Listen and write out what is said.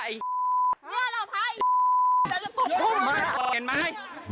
ยุ่น